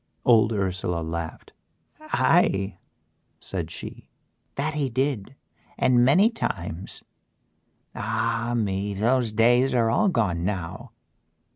Old Ursela laughed. "Aye," said she, "that he did and many times. Ah! me, those day's are all gone now."